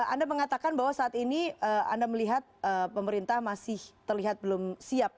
anda mengatakan bahwa saat ini anda melihat pemerintah masih terlihat belum siap